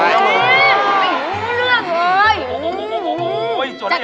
ไม่ได้มีใครส่งอะไรมาเลย